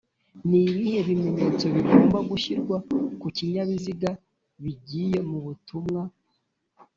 Nibihe bimenyetso bigomba gushyirwa kukinyabiziga bigiye mubutumwa